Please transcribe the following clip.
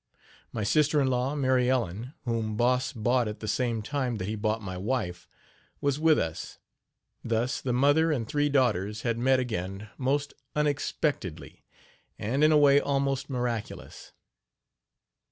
My sister in law, Mary Ellen, whom Boss bought at the same time that he bought my wife, was with us; thus the mother and three daughters had met again most unexpectedly, and in a way almost miraculous.